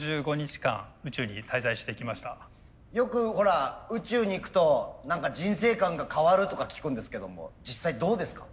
よくほら宇宙に行くと何か人生観が変わるとか聞くんですけども実際どうですか？